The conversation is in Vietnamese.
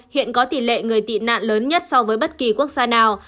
hiện có tỷ lệ người tị nạn lớn nhất so với bất kỳ quốc gia nào